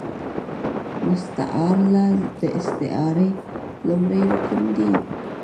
مستعارله د استعارې لومړی رکن دﺉ.